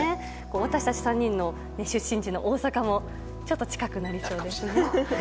私たち３人の出身地の大阪もちょっと近くなりそうですね。